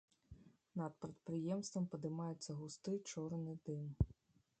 Над прадпрыемствам падымаецца густы чорны дым.